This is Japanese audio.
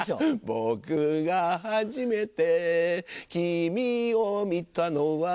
僕が初めて君を見たのは